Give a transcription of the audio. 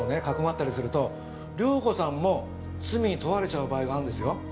かくまったりすると遼子さんも罪に問われちゃう場合があるんですよ。